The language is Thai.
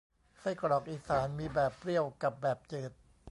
ไส้กรอกอีสานมีแบบเปรี้ยวกับแบบจืด